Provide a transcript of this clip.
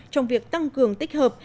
trong việc tăng cường tích hợp